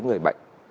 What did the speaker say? của người bệnh